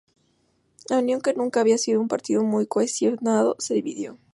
La Unión, que nunca había sido un partido muy cohesionado, se dividió.